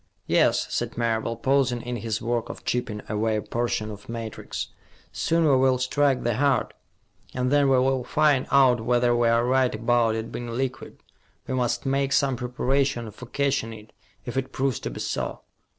"Yes," said Marable, pausing in his work of chipping away a portion of matrix. "Soon we will strike the heart, and then we will find out whether we are right about it being liquid. We must make some preparations for catching it, if it proves to be so."